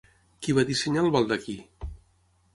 Qui va dissenyar el baldaquí?